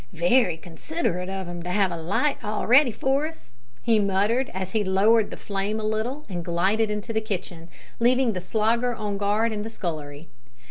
"Wery considerate of 'em to 'ave a light all ready for us," he muttered, as he lowered the flame a little, and glided into the kitchen, leaving the Slogger on guard in the scullery.